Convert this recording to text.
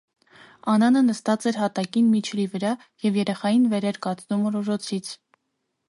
Անանը նստած էր հատակին մի չլի վրա և երեխային վեր էր կացնում օրորոցից: